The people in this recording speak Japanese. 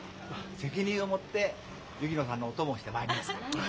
責任を持って薫乃さんのお供をしてまいりますから。